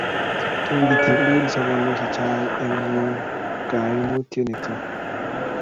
kiing'itil sobonwek che chang' eng' ng'ony kaimutiet nito